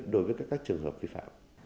đối với các trường hợp vi phạm